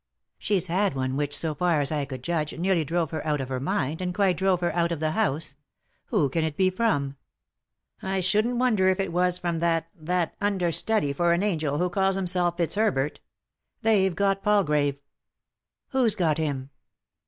285 3i 9 iii^d by Google THE INTERRUPTED KISS "She's bad one which, so far as I could judge, nearly drove her out of her mind, and quite drove her out of the house. Who can it be from ?" "I shouldn't wonder if it was from that— th*t understudy for an angel who calls himself Fits herbert They've got Palgrave." " Who's got him